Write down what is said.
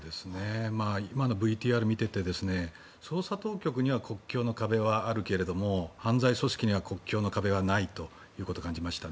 今のＶＴＲ見ていて捜査当局には国境の壁はあるけれども犯罪組織には国境の壁はないということを感じました。